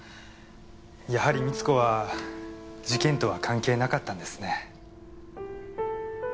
やはり美津子は事件とは関係なかったんですね。